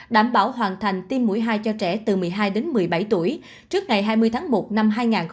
đảm bảo hoàn thành tiêm mũi hai cho trẻ từ một mươi hai đến một mươi bảy tuổi trước ngày hai mươi tháng một năm hai nghìn hai mươi